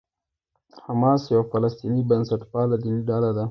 حماس یوه فلسطیني بنسټپاله دیني ډله ده.